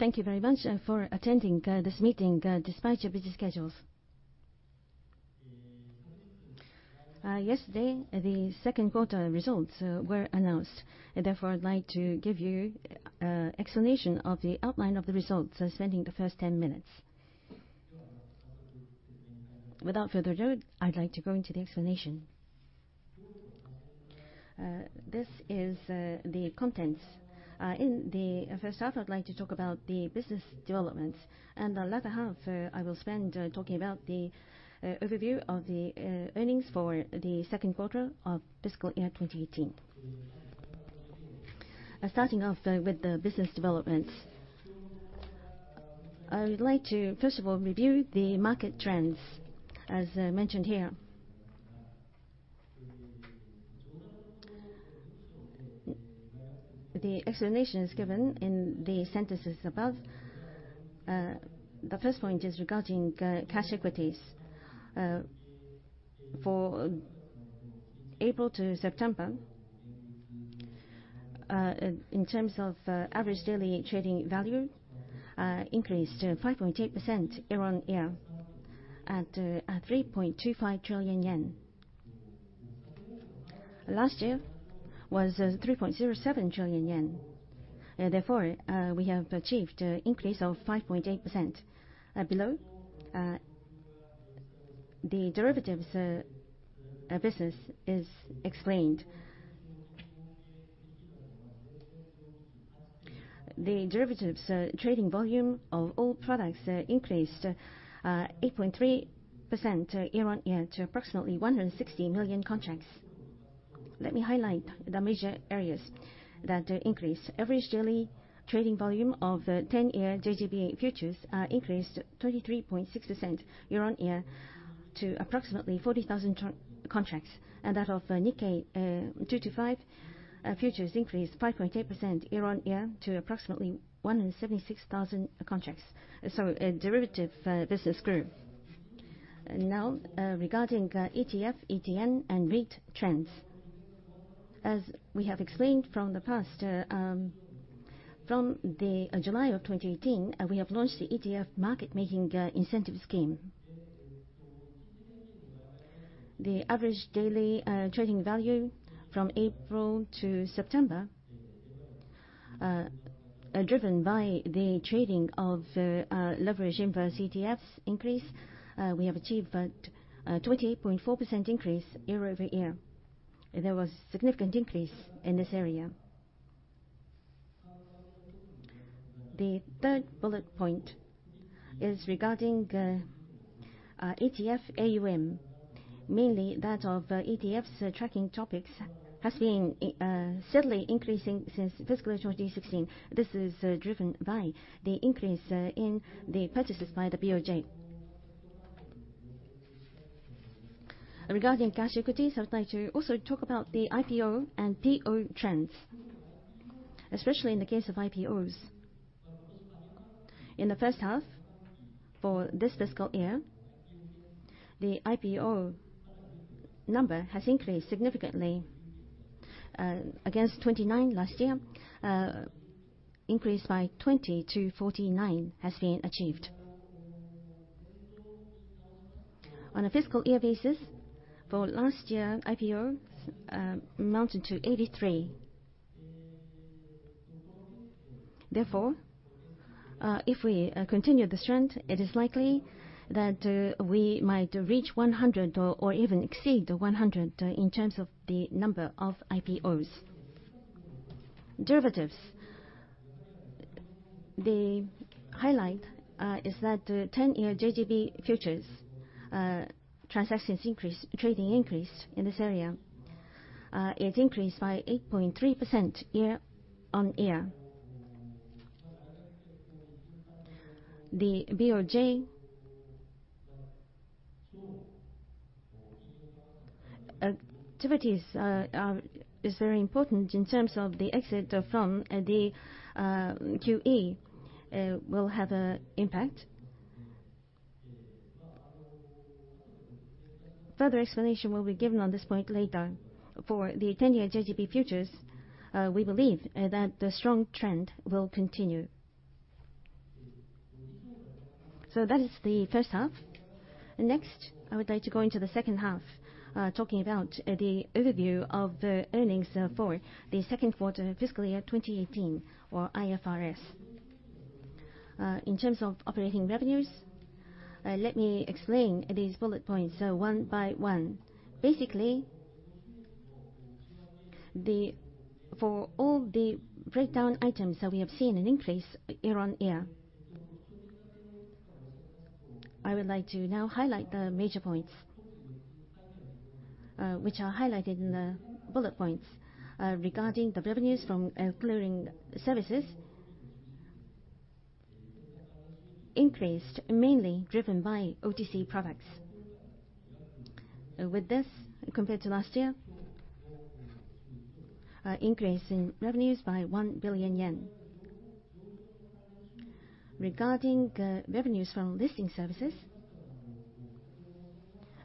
Thank you very much for attending this meeting despite your busy schedules. Yesterday, the second quarter results were announced, therefore, I'd like to give you explanation of the outline of the results, spending the first 10 minutes. Without further ado, I'd like to go into the explanation. This is the content. First off, I'd like to talk about the business developments. The latter half, I will spend talking about the overview of the earnings for the second quarter of fiscal year 2018. Starting off with the business developments. I would like to first of all review the market trends, as mentioned here. The explanation is given in the sentences above. The first point is regarding cash equities. For April to September, in terms of average daily trading value, increased 5.8% year-on-year at 3.25 trillion yen. Last year was 3.07 trillion yen. Therefore, we have achieved increase of 5.8%. Below, the derivatives business is explained. The derivatives trading volume of all products increased 8.3% year-on-year to approximately 160 million contracts. Let me highlight the major areas that increased. Average daily trading volume of the 10-year JGB futures increased 33.6% year-on-year to approximately 40,000 contracts, and that of Nikkei 225 futures increased 5.8% year-on-year to approximately 176,000 contracts. Derivative business grew. Now, regarding ETF, ETN, and REIT trends. As we have explained from the past, from the July of 2018, we have launched the ETF Market Making Incentive Scheme. The average daily trading value from April to September, driven by the trading of Leveraged and inverse ETFs increase, we have achieved a 28.4% increase year-over-year. There was significant increase in this area. The third bullet point is regarding ETF AUM. Mainly that of ETFs tracking TOPIX has been steadily increasing since fiscal year 2016. This is driven by the increase in the purchases by the BOJ. Regarding cash equities, I would like to also talk about the IPO and TOB trends, especially in the case of IPOs. In the first half for this fiscal year, the IPO number has increased significantly. Against 29 last year, increase by 20 to 49 has been achieved. On a fiscal year basis, for last year, IPO amounted to 83. Therefore, if we continue this trend, it is likely that we might reach 100 or even exceed 100 in terms of the number of IPOs. Derivatives. The highlight is that 10-year JGB futures trading increased in this area. It increased by 8.3% year-on-year. The BOJ activities is very important in terms of the exit from the QE will have an impact. Further explanation will be given on this point later. For the 10-year JGB futures, we believe that the strong trend will continue. That is the first half. Next, I would like to go into the second half, talking about the overview of the earnings for the second quarter fiscal year 2018 or IFRS. In terms of operating revenues, let me explain these bullet points one by one. Basically, for all the breakdown items, we have seen an increase year-on-year. I would like to now highlight the major points, which are highlighted in the bullet points regarding the revenues from clearing services. Increased, mainly driven by OTC products. With this, compared to last year, increase in revenues by 1 billion yen. Regarding revenues from listing services.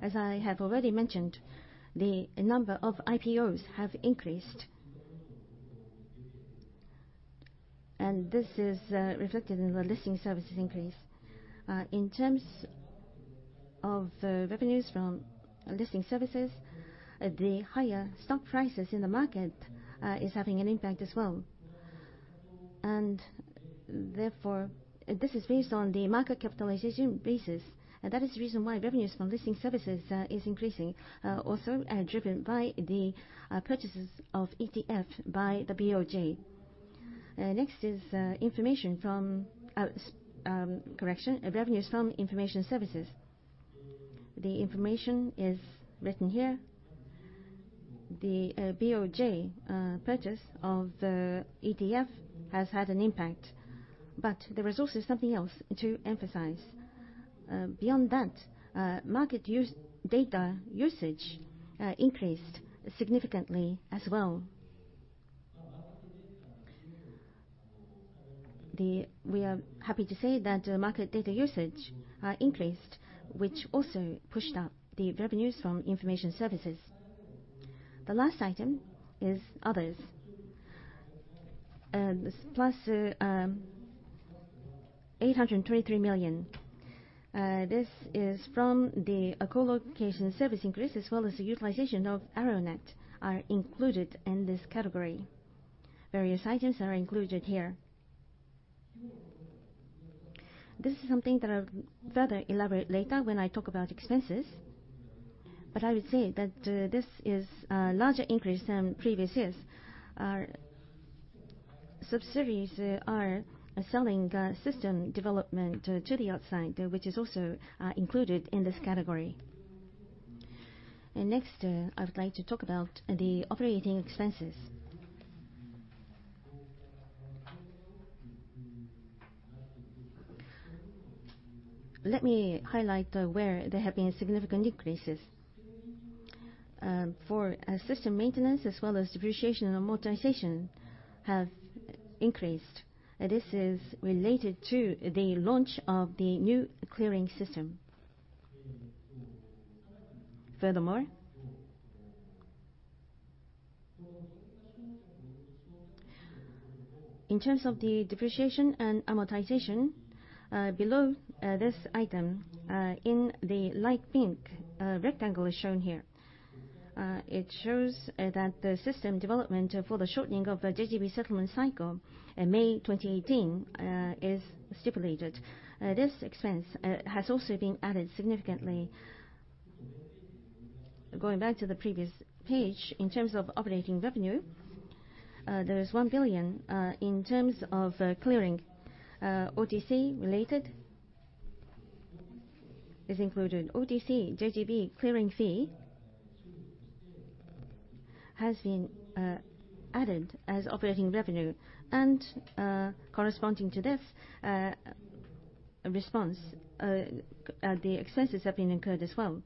As I have already mentioned, the number of IPOs have increased. This is reflected in the listing services increase. In terms of revenues from listing services, the higher stock prices in the market is having an impact as well. Therefore, this is based on the market capitalization basis, and that is the reason why revenues from listing services is increasing, also driven by the purchases of ETF by the BOJ. Revenues from information services. The information is written here. The BOJ purchase of the ETF has had an impact. There is also something else to emphasize. Beyond that, market data usage increased significantly as well. We are happy to say that market data usage increased, which also pushed up the revenues from information services. The last item is others. Plus 823 million. This is from the co-location service increase, as well as the utilization of arrownet are included in this category. Various items are included here. This is something that I'll further elaborate later when I talk about expenses. I would say that this is a larger increase than previous years. Our subsidiaries are selling system development to the outside, which is also included in this category. Next, I would like to talk about the operating expenses. Let me highlight where there have been significant increases. For system maintenance as well as depreciation and amortization have increased. This is related to the launch of the new clearing system. Furthermore, in terms of the depreciation and amortization, below this item, in the light pink rectangle shown here, it shows that the system development for the shortening of the JGB settlement cycle in May 2018 is stipulated. This expense has also been added significantly. Going back to the previous page, in terms of operating revenue, there is 1 billion in terms of clearing, OTC related. This included OTC JGB clearing fee, has been added as operating revenue, and corresponding to this response, the expenses have been incurred as well.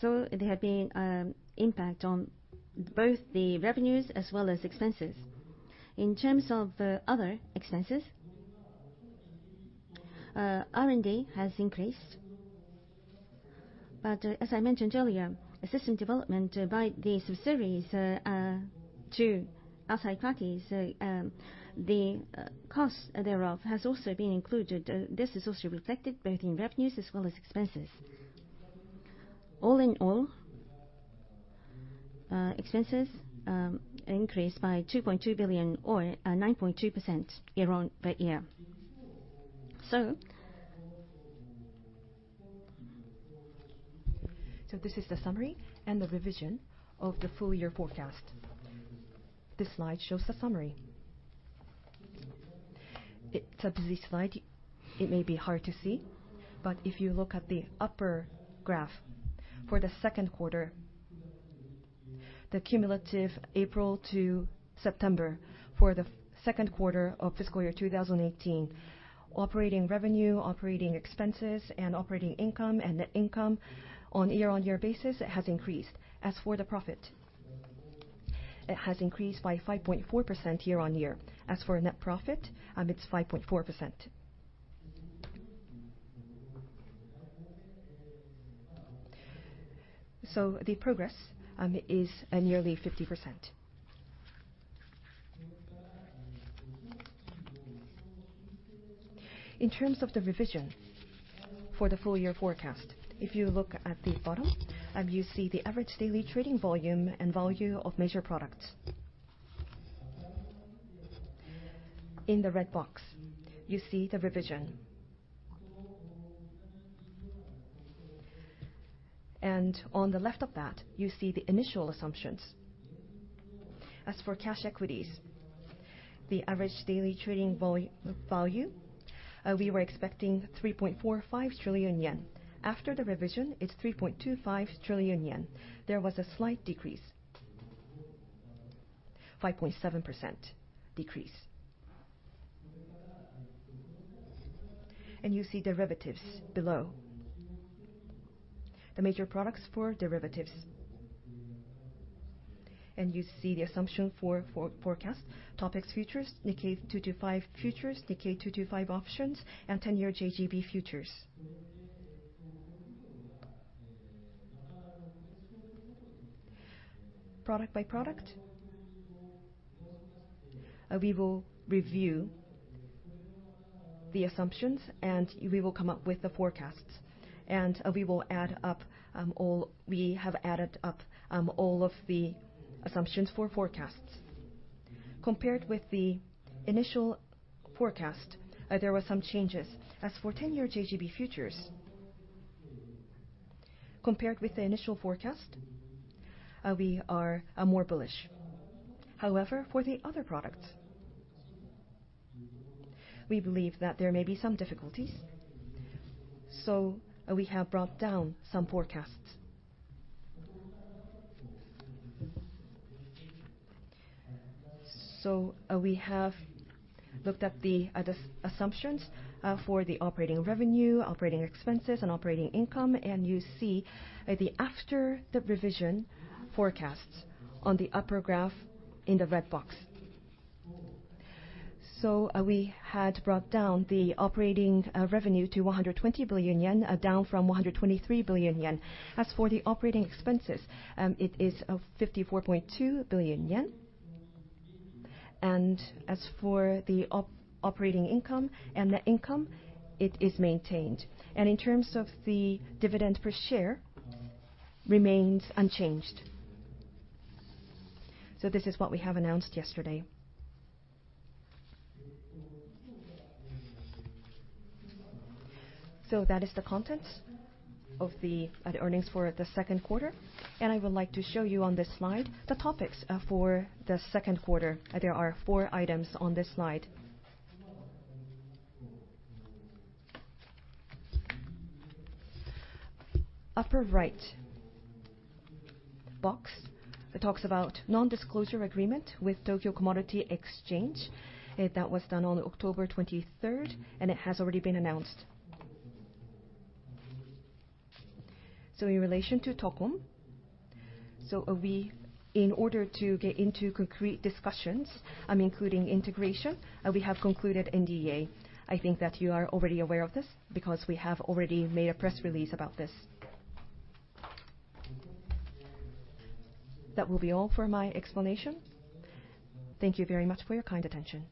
There have been impact on both the revenues as well as expenses. In terms of other expenses, R&D has increased. As I mentioned earlier, system development by the subsidiaries to outside parties, the cost thereof has also been included. This is also reflected both in revenues as well as expenses. All in all, expenses increased by 2.2 billion or 9.2% year-on-year. This is the summary and the revision of the full-year forecast. This slide shows the summary. It's a busy slide. It may be hard to see, but if you look at the upper graph. For the second quarter, the cumulative April to September for the second quarter of fiscal year 2018, operating revenue, operating expenses, and operating income, and net income on year-on-year basis has increased. As for the profit, it has increased by 5.4% year-on-year. As for net profit, it's 5.4%. The progress is nearly 50%. In terms of the revision for the full-year forecast, if you look at the bottom, you see the average daily trading volume and value of major products. In the red box, you see the revision. On the left of that, you see the initial assumptions. As for cash equities, the average daily trading volume, we were expecting ¥3.45 trillion. After the revision, it's 3.25 trillion yen. There was a slight decrease, 5.7% decrease. The major products for derivatives. You see the assumption for forecast, TOPIX futures, Nikkei 225 futures, Nikkei 225 Options, and 10-year JGB futures. Product by product, we will review the assumptions and we will come up with the forecasts. We have added up all of the assumptions for forecasts. Compared with the initial forecast, there were some changes. As for 10-year JGB futures, compared with the initial forecast, we are more bullish. However, for the other products, we believe that there may be some difficulties, so we have brought down some forecasts. We have looked at the assumptions for the operating revenue, operating expenses, and operating income. You see the after the revision forecasts on the upper graph in the red box. We had brought down the operating revenue to 120 billion yen, down from 123 billion yen. As for the operating expenses, it is 54.2 billion yen. As for the operating income and net income, it is maintained. In terms of the dividend per share, remains unchanged. This is what we have announced yesterday. That is the content of the earnings for the second quarter. I would like to show you on this slide the TOPIX for the second quarter. There are four items on this slide. Upper right box, it talks about non-disclosure agreement with Tokyo Commodity Exchange. That was done on October 23rd, and it has already been announced. In relation to TOCOM, in order to get into concrete discussions, including integration, we have concluded NDA. I think that you are already aware of this because we have already made a press release about this. That will be all for my explanation. Thank you very much for your kind attention.